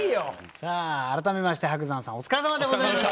さあ改めまして伯山さんお疲れさまでございました。